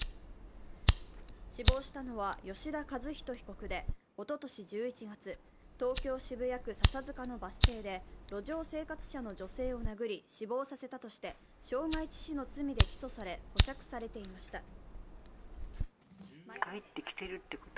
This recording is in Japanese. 死亡したのは吉田和人被告で、おととし１１月東京・渋谷区笹塚のバス停で路上生活者の女性を殴り死亡させたとして傷害致死の罪で起訴され、保釈されていました。